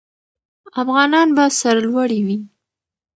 افغانان به سرلوړي وي.